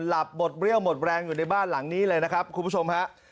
หลับหมดเรี่ยวหมดแรงอยู่ในบ้านหลังนี้เลยนะครับคุณผู้ชมฮะ